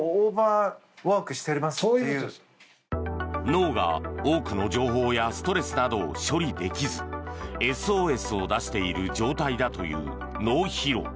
脳が、多くの情報やストレスなどを処理できずＳＯＳを出している状態だという脳疲労。